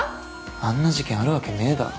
あんな事件あるわけねぇだろ。